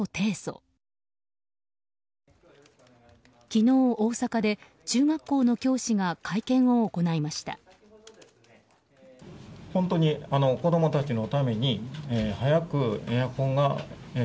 昨日、大阪で中学校の教師が会見を行いました。